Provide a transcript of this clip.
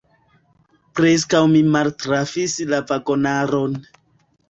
Preskaŭ mi maltrafis la vagonaron.